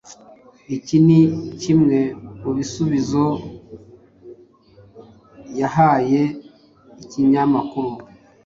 Iki ni kimwe mu bisubizo yahaye ikinyamakuru